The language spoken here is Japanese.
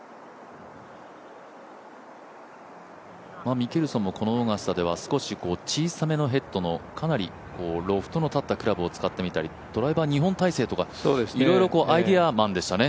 ミケルソンもこのオーガスタでは少し小さめのヘッドのかなりロフトの立ったクラブを使ってみたりドライバー２本体制とか、いろいろアイデアマンでしたね。